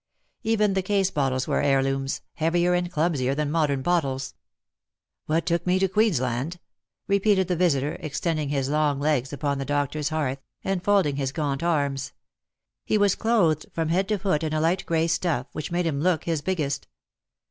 Even the case bottles were heirlooms, heavier and clumsier than modern bottles. " What took me to Queensland ?" repeated the visitor, extend ing his long legs upon the doctor's hearth, and folding his gaunt arms. He was clothed from head to foot in a light gray stuff, which made him look his biggest.